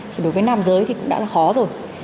thì đối với nam giới thì cũng đã là khó rồi